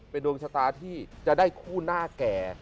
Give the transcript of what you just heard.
เป็นดวงชะตาที่จะได้คู่หน้าแก่